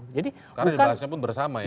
karena dibahasnya pun bersama ya